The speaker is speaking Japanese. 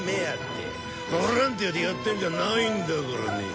ボランティアでやってんじゃないんだからね。